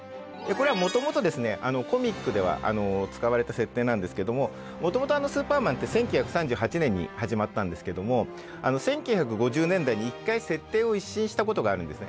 これはもともとコミックでは使われた設定なんですけどももともと「スーパーマン」って１９３８年に始まったんですけども１９５０年代に一回設定を一新したことがあるんですね。